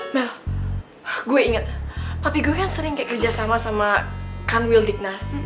mel gue inget papi gue kan sering kayak kerja sama sama kanwil dignas